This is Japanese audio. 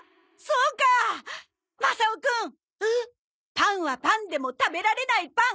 パンはパンでも食べられないパン！